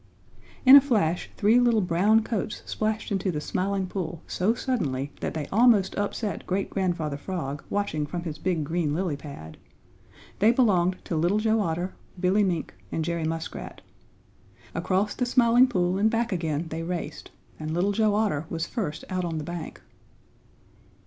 In a flash three little brown coats splashed into the Smiling Pool so suddenly that they almost upset Great Grandfather Frog watching from his big green lily pad. They belonged to Little Joe Otter, Billy Mink and Jerry Muskrat. Across the Smiling Pool and back again they raced and Little Joe Otter was first out on the bank.